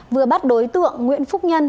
vừa bắt đối tượng nguyễn phúc nhân